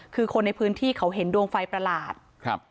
คือคนในพื้นที่เขาเห็นดวงไฟประหลาดครับ